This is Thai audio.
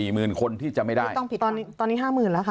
๔หมื่นคนที่จะไม่ได้ตอนนี้๕หมื่นแล้วค่ะ